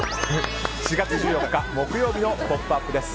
４月１４日、木曜日の「ポップＵＰ！」です。